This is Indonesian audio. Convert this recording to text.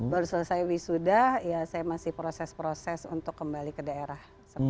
baru selesai wisuda ya saya masih proses proses untuk kembali ke daerah